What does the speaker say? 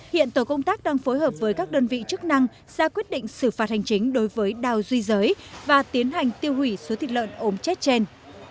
hiện tổ công tác đang phối hợp với các đơn vị chức năng ra quyết định xử phạt hành chính đối với đào duy giới và tiến hành tiêu hủy số thịt lợn ốm chết trên